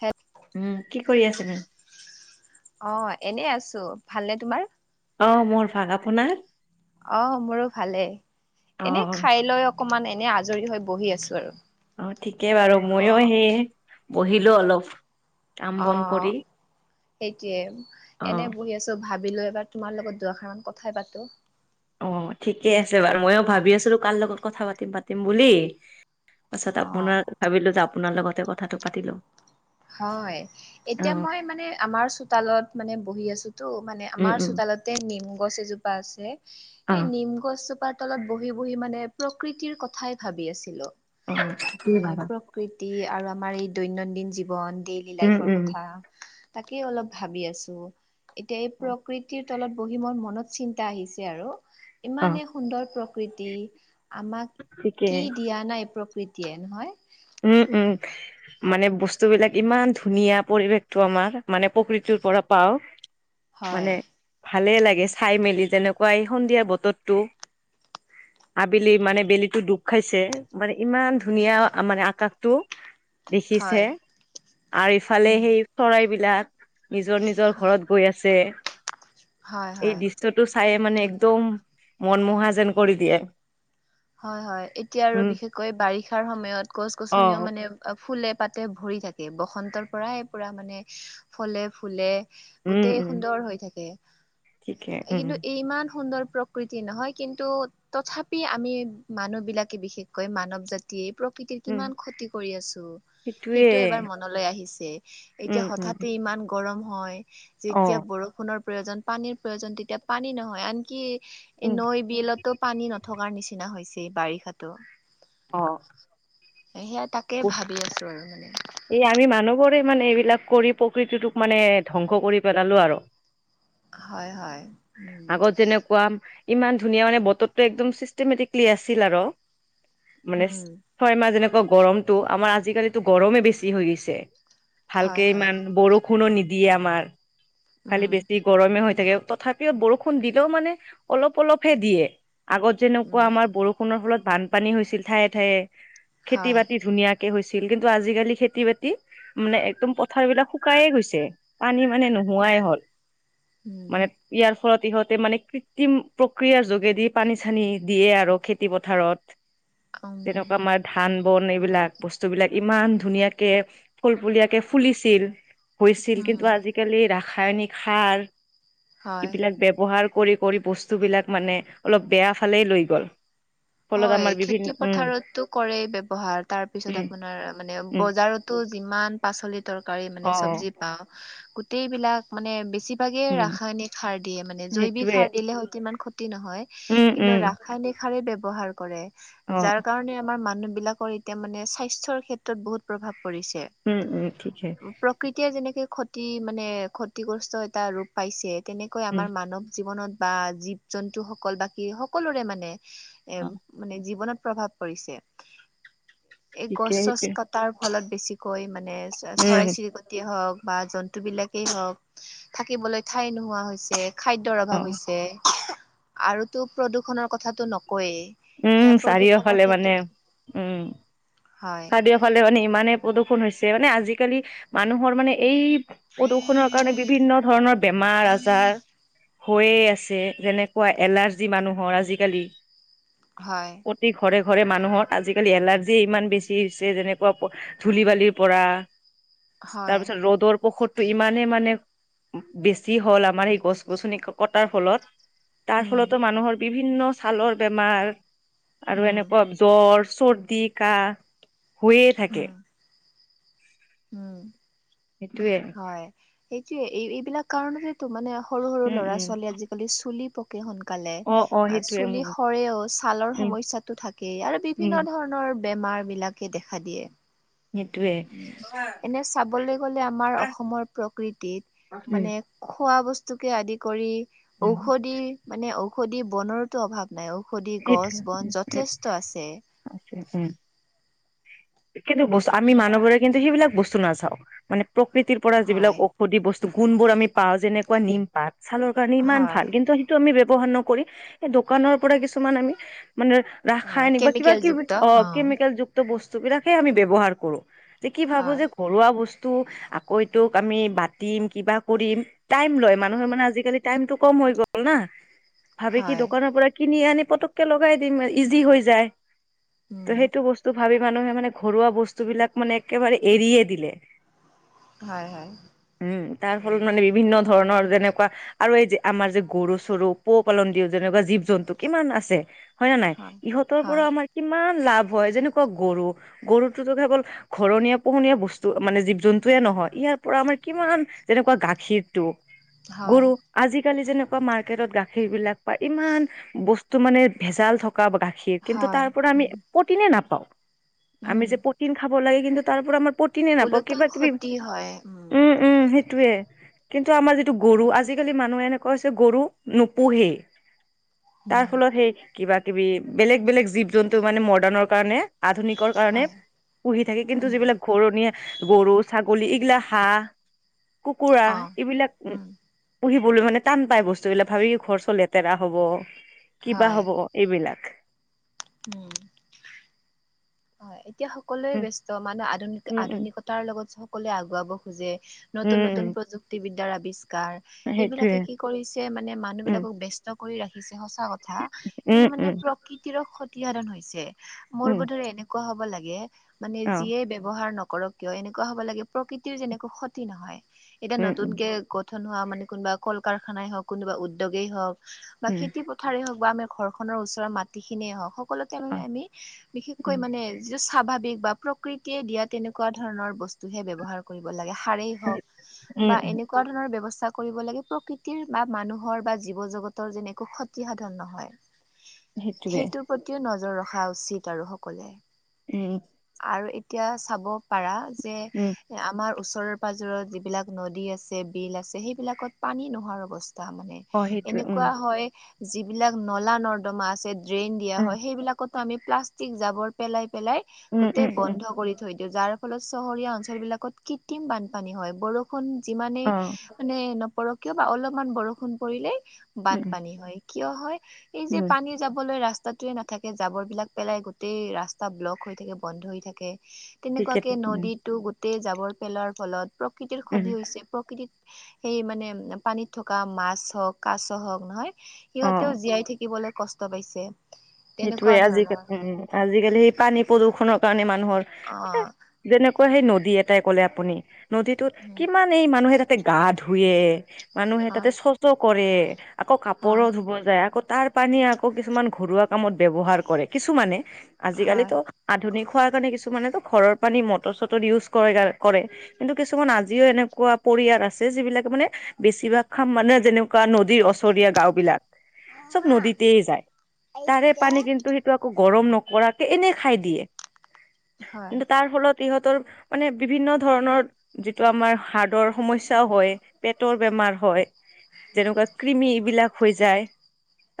হেল উম', কি কৰি আছিলে'? অ', এনে আছোঁ, ভালনে তোমাৰ? অ', মোৰ ভাল, আপোনাৰ? অহ', মোৰো ভালেই, এনে অ', খাই লৈ অকমান, এনে আজৰি হৈ বহি আছোঁ আৰু', অ', ঠিকে বাৰু অ ময়ো সেই বহিলোঁ অলপ', কাম বন কৰি। অহ', সেইটোৱে, এনে অ', বহি আছোঁ', ত, ভাবিলোঁ এবাৰ তোমাৰ লগত দুএকসাৰমান কথাই পাতোঁ', অ', ঠিকে আছে বাৰু, ময়ো ভাবি আছিলোঁ কাৰ লগত কথা পাতিম - পাতিম বুলি', পাছত অ আপোনাৰ, ভাবিলোঁ যে আপোনাৰ লগতে কথাটো পাতিলোঁ', হয়, এতিয়া মই মানে আমাৰ চোতালত মানে বহি আছোঁ', বহি আছোঁ টো মানে উম, আমাৰ উম, চোতালতে নিম গছ এজোপা আছে, এই অ', নিম গছজোপাত', চোতালত বহি - বহি মানে, প্ৰকৃতিৰ কথাই ভাবি আছিলোঁ, অ', ঠিকেই হয় এই বাৰু প্ৰক', প্ৰকৃতি আৰু আমাৰ এই দৈনন্দিন জীৱন, ডেইলি উম, লাইফৰ উম। কথা', তাকেই অলপ ভাবি আছোঁ, এতিয়া এই প্ৰকৃতিৰ', চোতালত বহি মোৰ মনত চিন্তা আহিছে আৰু, অ', ইমানেই সুন্দৰ প্ৰকৃতি', আমাক, ঠিকে কি দিয়া নাই প্ৰকৃতিয়ে নহয়? উম', - উম', মানে বস্তুবিলাক ইমান ধুনীয়া পৰিৱেশটো আমাৰ, মানে প্ৰকৃতিৰ পৰা পাওঁ', হয় মানে, ভালে লাগে, চাই মেলি যেনেকুৱা এই সন্ধিয়া বতৰটো', আবেলি, মানে বেলিটো ডুব খাইছে, মানে ইমান ধুনীয়া মানে আ', আকাশটো, দেখিছে হয় আৰু ইফালে উম সেই চৰাইবিলাক', নিজৰ - নিজৰ ঘৰত গৈ আছে, হয় এই হয় দৃশ্য ', দৃশ্যটো, চাইয়ে মানে, একদম মনমোহা যেন কৰি দিয়ে', হয়', - হয়', এতিয়া আৰু উম বিশেষকৈ বাৰিষাৰ সময়ত গছ - অ গছনিও মানে', ফুলে - পাতে ভৰি থাকে, বসন্তৰ পৰাই পুৰা মানে ফলে - ফুলে', উম গোটেই উম সুন্দৰ হৈ থাকে, ঠিকে উম কিন্তু ই - ইমান সুন্দৰ প্ৰক', প্ৰকৃতিৰ নহয় কিন্তু, তথাপি আমি, মানুহ বিলাকে বিশেষকৈ মানৱ জাতি', জাতিয়ে প্ৰকৃতিৰ উম কিমান ক্ষতি কৰি আছোঁ ', সেইটোয়ে সেইটো এবাৰ মনলৈ আহিছে, উম এতিয়া উম হঠাতে ইমান', গৰম হয়, অ যেতিয়া বৰষুণৰ প্ৰয়োজন পানীৰ প্ৰয়োজন তেতিয়া পানী নহয় আনকি', এই উম নৈ - বিলতো পানী নথকাৰ নিচিনা হৈছে বাৰিষাতো ', অহ', এই, সেয়া তাকে ভাবি আছোঁ আৰু মানে', এই, আমি মানুহবোৰে মানে এইবিলাক কৰি প্ৰকৃতিটোক মানে, ধ্বংস কৰি পেলালোঁ আৰু', হয় হয় উম আগত যেনেকুৱাম', ইমান ধুনীয়া মানে বতৰটো একদম চিষ্টেমেটিকলি আছিল আৰু, মানে', উম ছয় মাহ যেনেকুৱা গৰমতটো আমাৰ আজিকালিতো গৰমেই বেছি হৈ গৈছে', ভালকে হয় হয় ইমান বৰষুণো নিদিয়ে আমাৰ, খালি উম বেছি', গৰমে হৈ থাকে, তথাপিও বৰষুণ দিলেও মানে অলপ - অলপহে দিয়ে, আগত', যেনেকুৱা উম আমাৰ বৰষুণৰ ফলত বানপানী হৈছিল ঠায়ে - ঠায়ে, খেতি - হয় বাতি ধুনীয়াাকে', ধুনীয়াকে হৈছিল, কিন্তু আজিকালি খেত', খেতি - বাতি, মানে একদম পথাৰ বিলাক শুকাইহে গৈছে, পানী মানে নোহো', নোৱাই উম হ'ল উম মানে ইয়াৰ ফলত ইহঁতে মানে কৃত্ৰিম প্ৰক্ৰিয়াৰ যোগেদি পানী চানী দিয়ে আৰু খেতি পথাৰত। উম তেনেকুৱা আমাৰ ধান বন এইবিলাক বস্তুবিলাক ইমান ধুনীয়া কে ফুলফুলীয়াকে ফুলিছিল হৈছিল উম, কিন্তু আজি আজিকালি ৰাসায়নিক সাৰ হয়। এইবিলাক ব্যৱহাৰ কৰি কৰি বস্তুবিলাক মানে অলপ বেয়া ফালে লৈ গ'ল। ফলত হয় আমাৰ বিভিন্ন খেতি উম পথাৰতটো কৰেই ব্যৱহাৰ তাৰ পিছত উম আপোনাৰ মানে উম বজাৰত টো যিমান পাচলি তৰকাৰি মানে অ চবজি পাওঁ গোটেইবিলাক মানে বেছি [unintelligible] উম ৰাসায়নিক সাৰ দিয়ে মানে জৈৱিক সেইটোৱে সাৰ দিলে হয়তো ইমান ক্ষতি নহয় উম উম কিন্তু ৰাসায়নিক সাৰেই ব্যৱহাৰ কৰে অ যাৰ কাৰণে আমাৰ মানুহবিলাকৰ এতিয়া মানে স্বাস্থ্যৰ ক্ষেত্ৰত বহুত প্ৰভাৱ পৰিছে। উম উম ঠিকে। কেতিয় যেনেকে ক্ষতি মানে ক্ষতিগ্ৰস্ত এটা ৰূপ পাইছে তেনেকৈ উম আমাৰ মানৱ জীৱনত বা জীৱ জন্তু সকল বাকী সকলোৰে মানে অ মানে জীৱনত প্ৰভাৱ পৰিছে। এই ঠিকে গছ চছ সেইটোৱে কটাৰ ফলত বেছিকৈ মানে উম চৰাই চিৰিকটি হক বা জন্তু বিলাকেই হওঁক থাকিবলৈ ঠাই নোহোৱা হৈছে খাদ্য ৰ অ অভাৱ হৈছে আৰুতো প্ৰদূষণৰ কথাটো নকৱে। উম চাৰিওফালে মানে উম হয় চাৰিওফ ফালে মানে ইমানে প্ৰদূষণ হৈছে মানে আজিকালি মানুহৰ মানে এই প্ৰদূষণৰ কাৰণে বিভিন্ন ধৰণৰ বেমাৰ আজাৰ হৈয়ে আছে যেনেকুৱা এলাৰ্জি মানুহৰ আজিকালি। হয় প্ৰতি ঘৰে ঘৰে মানুহত আজিকালি এলাৰ্জি ইমান বেছি হৈছে যেনেকুৱা ধূলি বালিৰ পৰা হয় তাৰপিছত ৰ'দৰ পশত ইমানেই মানে বেছি হ'ল আমাৰ সেই গছ গছনি কটাৰ ফলত। তাৰ উম ফলতো মানুহৰ বিভিন্ন ছালৰ বেমাৰ আৰু উম এনেকুৱা জ্বৰ চৰ্দি কাহ হৈয়ে উম থাকে। উম সেইটোয়ে হয় সেইটোয়ে এই এইবিলাক কাৰণেটো মানে সৰু সৰু উম ল'ৰা উম ছোৱালী আজিকালি চুলি পকে সোনকালে। অ চুলি সৰেও ছালৰ উম, সমস্যাটো থাকেই আৰু উম, বিভিন্ন ধৰণৰ বেমাৰ বিলাক কে দেখা দিয়ে। সেইটোৱে এনে চাবলৈ গ'লে আমাৰ অসমৰ প্ৰকৃতিত উম, মানে খোৱা বস্তুকে আদি কৰি উম, ঔষধি মানে ঔষধি বনৰতো অভাৱ। নে ঔষধি সেইটোৱে গছ বন উম, উম, যথেষ্ট আছে। উম কিন্তু বস আমি মানুহবোৰে কিন্তু সেইবিলাক বস্তু নাচাও মানে প্ৰকৃতিৰ পৰা যিবিলাক হয়, ঔষধি বস্তু গুণবোৰ আমি পাওঁ যেনেকুৱা নিম পাত ছালৰ কাৰণে ইমান হয়, ভাল কিন্তু সেইটো আমি ব্যৱহাৰ নকৰি এই দোকানৰ পৰা কিছুমান আমি মানে অ' ৰাসায়নিক বা কিবা কেমিকেল কিবি যুক্ত অ কেমিকেল যুক বস্তু বিলাকে আমি ব্যৱহাৰ কৰো যে কি ভাবো হয়, যে ঘৰুৱা বস্তু। আকৌ এইটোক আমি বাতিম কিবা কৰিম। টাইম লয় মানুহে মানে আজিকালি টাইমটো কম হৈ গ'ল না। ভাবি কি হয়, দোকানৰ পৰা কিনি আনি পতককে লগাই দিম ইজি হৈ যায় উম, ত সেইটো বস টো ভাবি মানুহে মানে ঘৰুৱা বস্তু বিলাক মানে একেবাৰে এৰিয়ে দিলে। হয়, হয়। উম তাৰ উম, ফলত মানে বিভিন্ন ধৰণৰ যেনেকুৱা আৰু এই যে আমাৰ যে গৰু চৰু পো পালন দিওঁ যেনেকুৱা জীৱ জন্তু কিমান আছ- আছে হয় না নাই ইহঁতৰ পৰা আমাৰ কিমান লাভ হয় যেনেকুৱা গৰু গৰুটোতো ঘাঘল ঘৰনীয়া পোহনীয়া বস্তু মানে জীৱ জন্তুয়ে নহয় ইয়াৰ পৰা আমাৰ কিমান যেনেকুৱা গাখীৰটো হয়, গৰু আজিকালি যেনেকুৱা মাৰ্কেটত গাখীৰ বিলাক পায় ইমান বস্ত- টো মানে ভেজাল থকা গাখীৰ কিন্তু হয়, তাৰ পৰা আমি উম, প্ৰটিনে নাপাওঁ। উম, আমি যে প্ৰটিন খাব লাগে কিন্তু তাৰ পৰা আমাৰ প্ৰটিনে নাপাওঁ ওলোটা কিবা কিবি, ক্ষতি হয়, উ। উম সেইটোৱে কিন্তু আমাৰ যিটো গৰু আজিকালি মানুহে এনেকুৱা হৈছে গৰু নোপোহেই। তাৰ উম, ফলত সেই কিবা কিবি বেলেগ বেলেগ জীৱ জন্তু মানে মডাৰ্ণৰ কাৰণে আধুনিকৰ কাৰণে হয়, পুহি থাকে কিন্তু উম, যিবিলাক পৰণীয়া গৰু-ছাগলী এইগিলা হাঁহ কুকুৰা অ', এইবিলাক উম, পুহিবলৈ মানে টান পাই বস্তুবিলাক ভাবি ঘৰ চৰ লেতেৰা হ'ব কিবা হয়, হ'ব। এইবিলাক। উম। হয় এতিয়া সকলোৱে উম, ব্যস্ত মানে আধুনিক উম, উম, আধুনিকতাৰ লগত সকলোৱে আগুৱাব খোজে। নতুন উম, নতুন উম, প্ৰযুক্তিবিদ্যাৰ আৱিষ্কাৰ সেইটোৱে এইবিলাকে কি কৰিছে মানে মানুহ উম, বিলাকক ব্যস্ত কৰি ৰাখিছে সঁচা কথা উম, কিন্তু উম, মানে প্ৰ- কৃতিৰ ক্ষতিসাধন হৈছে। মোৰ উম, বোধৰে এনেকুৱা হব লাগে মানে অ', যিয়ে ব্যৱহাৰ নকৰক কিয় এনেকুৱা হ'ব লাগে প্ৰকৃতিৰ যেনেক ক্ষতি নহয়। এতিয়া উম, নতুন উম, কে গঠন হোৱা মানে কোনোবা কল-কাৰখানাই হওঁক কোনোবা উদ্যোগেই হওঁক। বা উম, খেতি পথাৰ হওঁক বা আমাৰ ঘৰখনৰ ওচৰৰ মাটিখিনিয়ে হওঁক সকলোকে মামে অ', আমি বিশেষকৈ উম, মানে যিটো স্বাভাৱিক বা প্ৰকৃতিয়ে দিয়া তেনেকুৱা ধৰণৰ বস্তু হে ব্যৱহাৰ কৰিব লাগে সাৰেই হওঁক উম, বা উম, এনে কুৱা ধৰণৰ ব্যৱস্থা কৰিব লাগে প্ৰকৃতিৰ বা মানুহৰ বা জীৱ জগতৰ যেনে একো ক্ষতি সাধন নহয়। সেইটোৱে সেইটোৰ প্ৰতিও নজৰ ৰখা উচিত আৰু সকলে। [unintelligible] আৰু এতিয়া চাব পাৰা যে উম, আমাৰ ওচৰৰে পাজৰত যিবিলাক নদী আছে বিল আছে সেইবিলাকত পানী নোহোৱাৰ অৱস্থা মানে। অ', সেইটোৱে উম, এনেকুৱা হয়, যিবিলাক নলা নৰ্দমা আছে ড্ৰেইন দিয়া উম, হয় সেইবিলাকত আমি প্লাষ্টিক জাবৰ পেলাই পেলাই উম, গোটেই উম, উম, বন্ধ কৰি থৈ দি যাৰ ফলত চহৰীয়া অঞ্চলবিলাকত কৃত্ৰিম বানপানী হয়। বৰষুণ যিমানেই অ', মানে নপৰক কিয় বা অলপমান বৰষুণ পৰিলেই উম, বানপানী হয় কিয় হয় এই যে উম, পানী যাবলৈ ৰাস্তাটোৱে নাথাকে জাবৰ বিলাক পেলাই গোট গোটেই ৰাস্তা ব্লক হৈ থাকে বন্ধ হৈ থাকে ঠিকে তেনেকুৱাকে উম, নদীতো গোট তে জাবৰ পেলোৱাৰ ফলত প্ৰকৃতিৰ উম, ক্ষতি হৈছে। প্ৰকৃতিত সেই মানে পানীত থকা মাছ হওঁক, কাছ হওঁক নহয় অ', অ সিহঁতেও জীয়াই থাকিবলৈ কষ্ট পাইছে। সেইটোয়ে তেনেকুৱা ধৰণৰ আজিকালি উ আজিকালি সেই পানী প্ৰদূষণৰ কাৰণে মানুহৰ অ। এ যেনেকুৱা সেই নদী এটাই ক'লে আপুনি নদীটোত কিমান মানেই মানুহে তাতে গা ধুৱে, মানুহে তাতে হয় চচ কৰে। আকৌ কাপোৰো হয় ধুব যায় আকৌ তাৰ পানীয়ে আকৌ কিছুমান ঘৰুৱা কামত ব্যৱহাৰ কৰে কিছুমানে আজিকালিতো আধুনিক হোৱাৰ কাৰণে কিছুমানেতো ঘৰৰ পানী মটৰ-চটৰ দি ইউজ কৰে কৰে। কিন্তু কিছুমান আজিও এনেকুৱা পৰিয়াল আছে যিবিলাকে মানে বেছিভাগখনে মানে যেনেকুৱা নদীৰ ওচৰীয়া গাওঁ বিলাক চব নদীতে যায়। তাৰে পানী কিন্তু সেইটো আকৌ গৰম নকৰাকে এনে খাই দিয়ে। হয় হয় কিন্তু তাৰ ফলত সিহঁতৰ মানে বিভিন্ন ধৰণৰ যিটো আমাৰ হাৰ্ডৰ সমস্যা সমস্যা হয়, পেটৰ বেমাৰ হয় যেনেকুৱা কৃমি এইবিলাক হৈ যায়।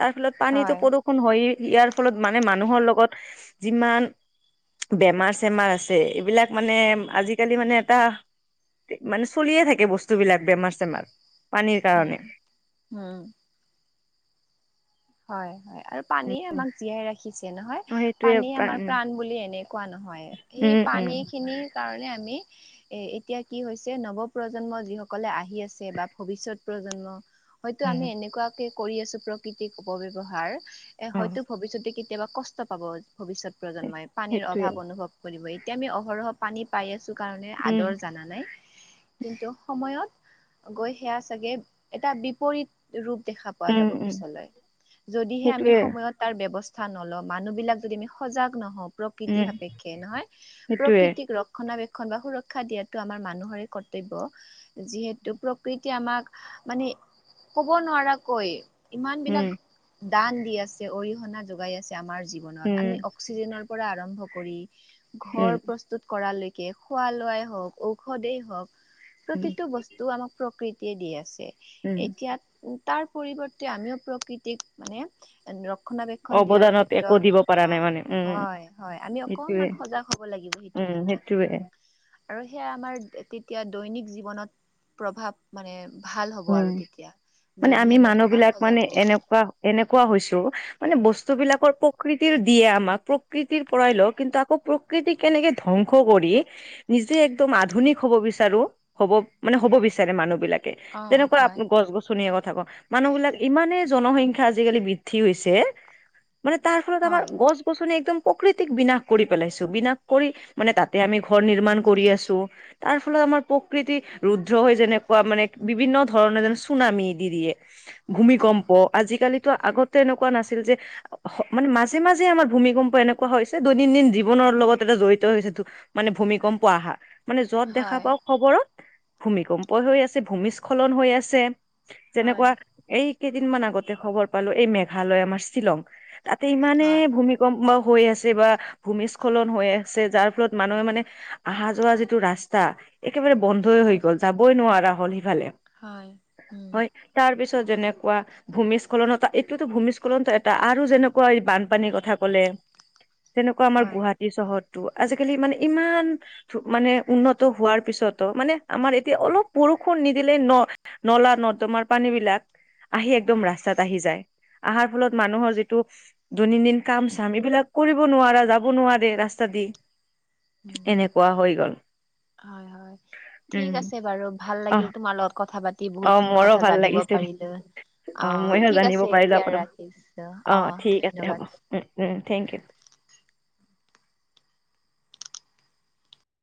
তাৰ ফলত পানীতো হয় প্ৰদূষন হয়েই, ইয়াৰ ফলত মানে মানুহৰ লগত যিমান বেমাৰ-চেমাৰ আছে, এইবিলাক মানে আজিকালি মানে এটা মানে চলিয়ে থাকে বস্তুবিলাক বেমাৰ-চেমাৰ। উম' উম'। হয় হয় আৰু পানীয়ে আমাক জীয়াই ৰাখিছে নহয়। অ সেইটোয়ে পানী আমাৰ প্ৰাণ বুলি এনে কোৱা নহয়, সেই উম উম পানী খিনিৰ কাৰণে আমি এ এতিয়া কি হৈছে নৱ প্ৰজন্ম যিসকলে আহি আছে বা ভৱিষ্যত প্ৰজন্ম হয়তো আমি উম এনেকুৱাকে কৰি আছো প্ৰকৃতিক অপব্যৱহাৰ এ অ হয়তো ভৱিষ্যতে কেতিয়াবা কষ্ট পাব ভৱিষ্যত প্ৰজন্মই, পানীৰ সেইটোয়ে অভাৱ অনুভৱ কৰিব। এতিয়া আমি অহৰহ পানী পাই আছোঁ কাৰণে উম আদৰ জানা নাই। কিন্তু সময়ত গৈ সেইয়া চাগে এটা বিপৰীত ৰূপ দেখা পোৱা উম যাব উম পিছলে। যদিহে আমি সেইটোয়ে সময়ত তাৰ ব্যৱস্থা নলওঁ, মানুহ বিলাক যদি আমি সজাগ নহওঁ প্ৰকৃতি উম সাপেক্ষে নহয় সেইটোয়ে প্ৰকৃতিক ৰ ৰক্ষণাবেক্ষণ বা সুৰক্ষা দিয়াটো আমাৰ মানুহৰে কৰ্তব্য। যিহেতু প্ৰকৃতিয়ে আমাক মানে ক'ব নোৱাৰাকৈ ইমান উম বিলাক দান দি আছে, অৰিহণা যোগাই আছে আমাৰ জীৱনত। উম আমি অক্সিজেনৰ পৰা আৰম্ভ কৰি উম ঘৰ প্ৰস্তুত প্ৰস্তুত কৰালৈকে খোৱা লোৱাই হওক, ঔষধেই হওঁক উম প্ৰতিটো বস্তু এইটো আমাক প্ৰকৃতিয়ে দি আছে। উম এতিয়া তাৰ পৰিৱৰ্তে আমিও প্ৰকৃতি প্ৰকৃতিক মানে ৰক্ষণাবেক্ষণ দিয়াৰ অৱদানত একো দিব ক্ষেত্ৰত পৰা নাই মানে অ' উম হয় হয় আমি সেইটোয়ে অকনমান সজাগ হ'ব লাগিব সেইটো উম সেইটোয়ে ক্ষেত্ৰত। আৰু সেইয়া আমাৰ তেতিয়া দৈনিক জীৱনত প্ৰভাৱ মানে ভাল হ'ব উম আৰু তেতিয়া মানে যদিহে আমি মানুহ অকণমান বিলাক মানে সজাগ হওঁ। এনেকুৱা এনেকুৱা হৈছোঁ মানে বস্তু বিলাকৰ প্ৰকৃতিৰ দিয়ে আমাক, প্ৰকৃতিৰ পৰাই লও, কিন্তু আকৌ প্ৰকৃতি প্ৰকৃতিক কেনেকে ধ্বংস কৰি, নিজে একদম আধুনিক হ'ব বিচাৰো হ'ব মানে হ'ব বিচাৰে মানুহ বিলাকে। অ' হয়। গছ-গছনিয়ে কথা কওঁ, মানুহ বিলাক ইমানে জনসংখ্যা আজিকালি বৃদ্ধি হৈছে। মানে তাৰ ফলত আমাৰ হয় গছ-গছনি একদম প্ৰকৃতিক বিনাশ কৰি পেলাইছোঁ। বিনাশ কৰি মানে তাতে আমি ঘৰ নিৰ্মাণ কৰি আছোঁ। তাৰ ফলত আমাৰ প্ৰকৃতি ৰুদ্ৰ হৈ যেনেকুৱা মানে বিভিন্ন ধৰণৰ যে চুনামি দি দিয়ে হয় ভূমিকম্প আজিকালিতো আগতে এনেকুৱা নাছিল যে মানে মাজে-মাজে আমাৰ ভূমিকম্প এনেকুৱা হৈছে দৈনন্দিন জীৱনৰ লগত এটা জড়িত হৈ যিটো মানে ভূমিকম্প আহা, মানে য'ত দেখা হয় পাওঁ খবৰত ভূমিকম্প হৈ আছে, ভূমি'স্খন উখলন হৈ আছে যেনেকুৱা হয় এই কেইদিনমান আগতে খবৰ পালোঁ, এই মেঘালয় আমাৰ শ্বিলং তাতে ইমানে হয় ভূমিকম্প গম ময় হৈ আছে বা ভূমিস্খলন হৈ আছে যাৰ ফলত মানুহে মানে আহা যোৱা যিটো ৰাস্তা একেবাৰে বন্ধই হৈ গল, যাবই নোৱাৰা হল সিফালে। হয়। উম হয় তাৰ পিছত যেনেকুৱা ভূমিস্খলনতা এইটোতো ভূমিস্খলনতো এটা আৰু যেনেকুৱা এই বানপানীৰ কথা কলে যেনেকুৱা আমাৰ হয় গুৱাহাটী চহৰতটো, আজিকালি মানে ইমান মানে উন্নত হোৱাৰ পিছতো মানে আমাৰ এতিয়া অলপ বৰষুণ নিদি ন-নলা নৰ্দমাৰ পানী বিলাক আহি একদম হয় ৰাস্তাত আহি যায়, আহাৰ ফলত মানুহৰ যিটো দৈনন্দিন কাম চাম এইবিলাক কৰিব নোৱাৰা যাব নোৱাৰে ৰাস্তা দি। উম এনেকুৱা হৈ গ'ল। হয়, হয়, ঠিক উম আছে বাৰু ভাল অ লাগিল তোমাৰ লগত কথা পাতি অ বহুত। খিন মোৰো কথা ভাল জানিব লাগিছে দে পাৰিলে। অ অঁ, ময়ো ঠিক জানিব আছে পাৰিলো এতিয়া আপোনাৰ ৰাখিছো অ অঁ ঠিক আছে হ'ব ধন্যবাদ। Um, um thank U.